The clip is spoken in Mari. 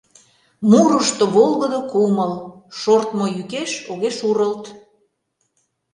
Мурышто — волгыдо кумыл, Шортмо йӱкеш огеш урылт.